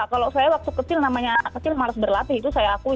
kalau saya waktu kecil namanya anak kecil malas berlatih itu saya akui